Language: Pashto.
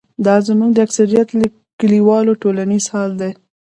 دا زموږ د اکثریت لیکوالو ټولیز حال دی.